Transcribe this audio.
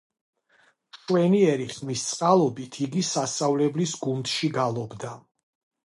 მშვენიერი ხმის წყალობით იგი სასწავლებლის გუნდში გალობდა.